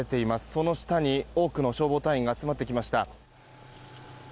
その下に、多くの消防隊員が集まってきました。